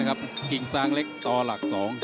กิ่งซางเล็กต่อหลัก๒